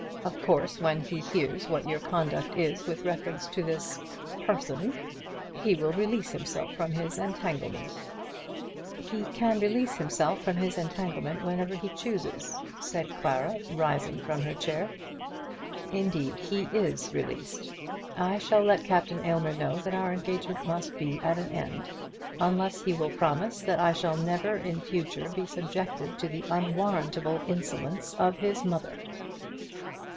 Of course, when he hears what your conduct is with reference to this person, he will release himself from his entanglement." "He can release himself from his entanglement whenever he chooses," said Clara, rising from her chair. "Indeed, he is released. I shall let Captain Aylmer know that our engagement must be at an end, unless he will promise that I shall never in future be subjected to the unwarrantable insolence of his mother."